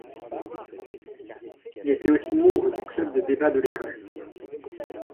Il été aussi membre du club de débat de l'école.